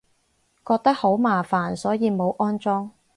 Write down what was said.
覺得好麻煩，所以冇安裝